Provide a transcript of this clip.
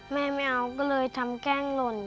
ไม่เอาก็เลยทำแกล้งหล่น